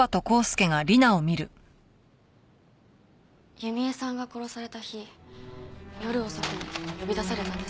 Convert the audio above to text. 弓江さんが殺された日夜遅くに呼び出されたんです。